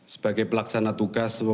saya kira semuanya sudah jelas